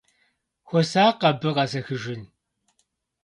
Хуэсакъ абы, къэсэхыжын!